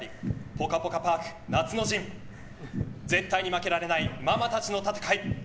ぽかぽかパーク夏の陣、絶対に負けられないママたちの戦い。